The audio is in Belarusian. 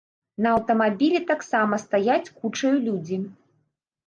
На аўтамабілі таксама стаяць кучаю людзі.